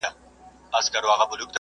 هغه وويل چي موټر کارول مهم دي؟